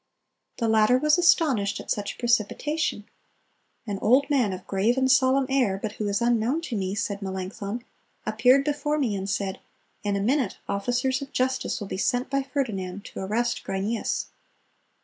The latter was astonished at such precipitation. 'An old man of grave and solemn air, but who is unknown to me,' said Melanchthon, 'appeared before me and said, In a minute officers of justice will be sent by Ferdinand to arrest Grynæus.